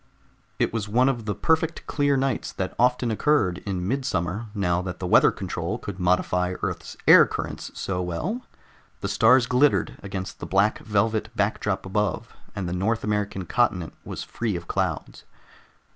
It was one of the perfect clear nights that often occurred in midsummer now that weather control could modify Earth's air currents so well; the stars glittered against the black velvet backdrop above, and the North American continent was free of clouds.